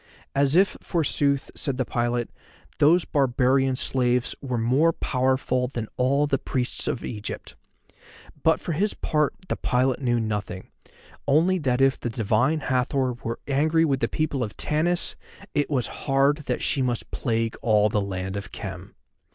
As if, forsooth, said the pilot, those barbarian slaves were more powerful than all the priests of Egypt. But for his part, the pilot knew nothing, only that if the Divine Hathor were angry with the people of Tanis it was hard that she must plague all the land of Khem.